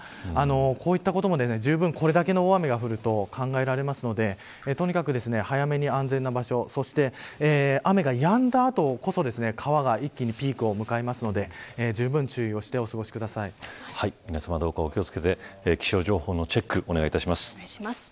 こういったこともじゅうぶんにこれだけの大雨が降ると考えられるのでとにかく、早めに安全な場所にそして雨がやんだ後こそ川が一気にピークを迎えるのでじゅうぶん注意をして皆さま、どうかお気を付けて気象情報のチェックをお願いします。